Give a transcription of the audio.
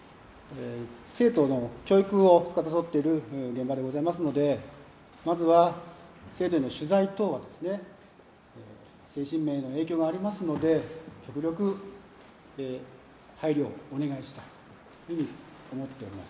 生徒の教育をつかさどっている現場でございますので、まずは生徒への取材等は、精神面への影響がありますので極力配慮をお願いしたいと思っております。